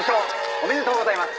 おめでとうございます。